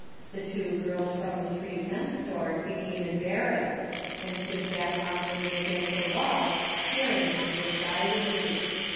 The two girls from the three cent store became embarrassed, and stood back awkwardly against the wall star ing undisguisedly.